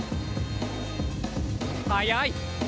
速い！